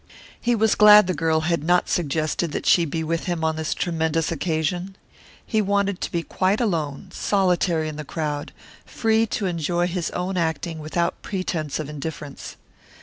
He was glad the girl had not suggested that she be with him on this tremendous occasion. He wanted to be quite alone, solitary in the crowd, free to enjoy his own acting without pretense of indifference.